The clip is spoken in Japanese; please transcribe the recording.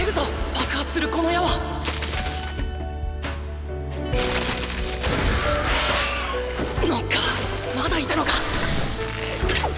爆発するこの矢はーー・ノッカーまだいたのか！